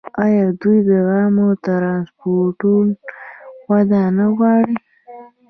آیا دوی د عامه ټرانسپورټ وده نه غواړي؟